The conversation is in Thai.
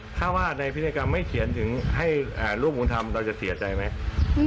ถ้าว่าในพินัยกรรมไม่เขียนถึงให้ลูกบุญธรรมเราจะเสียใจไหม